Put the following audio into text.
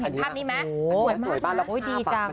เห็นภาพนี่ไหมหัวชำมูกมากค่ะโอ้ยดีจังค่ะ